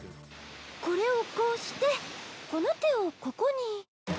これをこうしてこの手をここに。